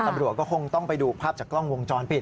ตำรวจก็คงต้องไปดูภาพจากกล้องวงจรปิด